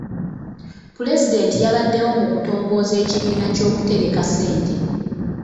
Pulezidenti yabaddewo mu kutongoza ekibiina ky'okutereka ssente.